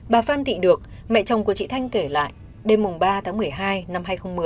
bà phan thị được mẹ chồng của chị thanh kể lại đêm ba tháng một mươi hai năm hai nghìn một mươi